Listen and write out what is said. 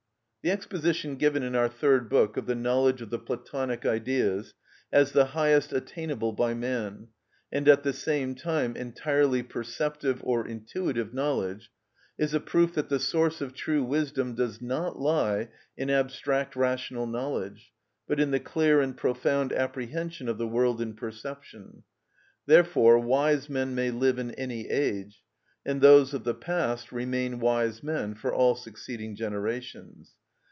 The exposition given in our third book of the knowledge of the (Platonic) Ideas, as the highest attainable by man, and at the same time entirely perceptive or intuitive knowledge, is a proof that the source of true wisdom does not lie in abstract rational knowledge, but in the clear and profound apprehension of the world in perception. Therefore wise men may live in any age, and those of the past remain wise men for all succeeding generations.